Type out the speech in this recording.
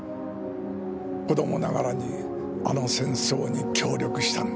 子供ながらにあの戦争に協力したんだ。